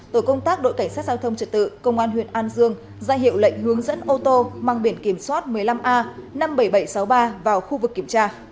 tổ công tác đội cảnh sát giao thông trật tự công an huyện an dương ra hiệu lệnh hướng dẫn ô tô mang biển kiểm soát một mươi năm a năm mươi bảy nghìn bảy trăm sáu mươi ba vào khu vực kiểm tra